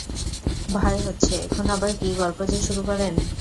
ভয় হচ্ছে, এখন আবার কী গল্প যে শুরু করেন।